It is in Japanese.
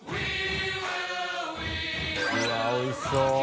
うわおいしそう。